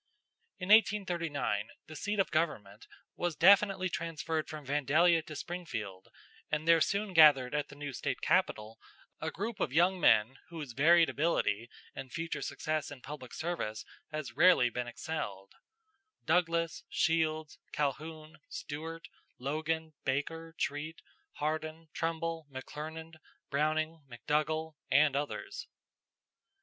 In 1839 the seat of government was definitely transferred from Vandalia to Springfield, and there soon gathered at the new State capital a group of young men whose varied ability and future success in public service has rarely been excelled Douglas, Shields, Calhoun, Stuart, Logan, Baker, Treat, Hardin, Trumbull, McClernand, Browning, McDougall, and others.